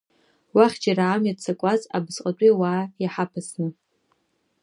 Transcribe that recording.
Уахь џьара амҩа ццакуаз, абысҟатәи уаа иҳаԥысны.